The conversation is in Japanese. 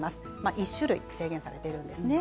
１種類に制限されているんですね。